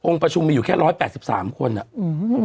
ประชุมมีอยู่แค่ร้อยแปดสิบสามคนอ่ะอืม